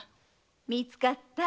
見つかった。